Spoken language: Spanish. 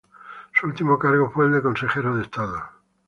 Su último cargo fue el de consejero de estado.